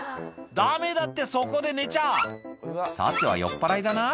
ダメだってそこで寝ちゃさては酔っぱらいだな？